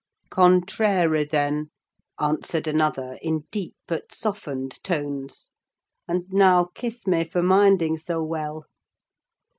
"Contrary, then," answered another, in deep but softened tones. "And now, kiss me, for minding so well."